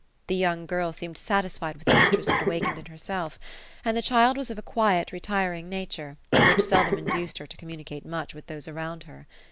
The young girl seemed satisfied with the interest it awakened in herself; and the child was of a quiety retiring nature, which seldom induced her to com municate much with those around her.